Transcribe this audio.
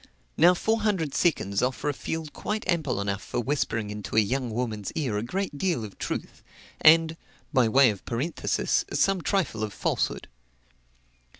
Now, four hundred seconds offer a field quite ample enough for whispering into a young woman's ear a great deal of truth; and (by way of parenthesis) some trifle of falsehood.